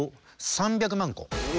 ３００万。